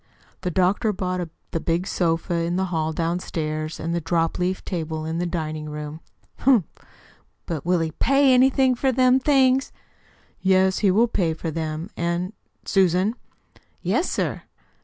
"The doctor bought the big sofa in the hall downstairs, and the dropleaf table in the dining room." "Humph! But will he PAY anything for them things?" "Yes, he will pay well for them. And Susan." "Yes, sir."